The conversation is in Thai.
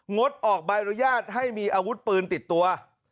ดออกใบอนุญาตให้มีอาวุธปืนติดตัว